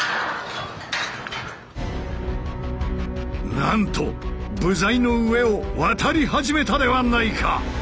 なんと部材の上を渡り始めたではないか！